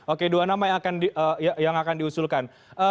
oke dua nama yang akan diusulkan